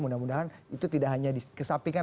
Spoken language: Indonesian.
mudah mudahan itu tidak hanya dikesapikan